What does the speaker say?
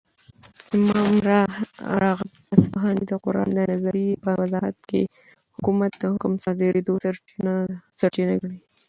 ،امام راغب اصفهاني دقران دنظري په وضاحت كې حكومت دحكم دصادريدو سرچينه ګڼي